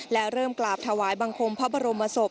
และเริ่มกราบถวายบังคมพระบรมศพ